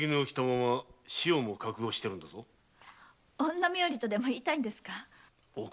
女冥利とでも言いたいんですか。